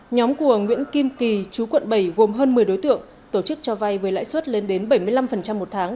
nhóm của nguyễn kim kỳ chú quận bảy gồm hơn một mươi đối tượng tổ chức cho vay với lãi suất lên đến bảy mươi năm một tháng